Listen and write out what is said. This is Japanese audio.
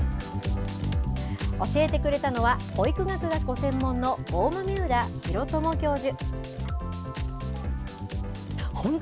教えてくれたのは、保育学がご専門の大豆生田啓友教授。